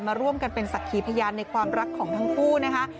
มาร่วมกันเป็นสักขีพยานในความรักของทั้งคู่นะคะ